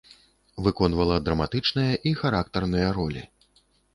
Выконвала драматычныя і характарныя ролі.